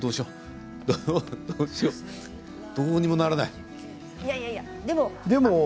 どうにもならない。